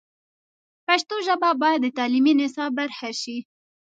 پښتو ژبه باید د تعلیمي نصاب برخه شي.